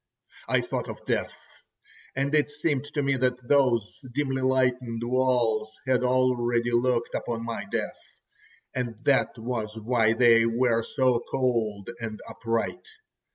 I thought of death, and it seemed to me that those dimly lightened walls had already looked upon my death, and that was why they were so cold and upright.